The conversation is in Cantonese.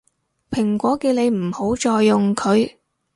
蘋果叫你唔好再用佢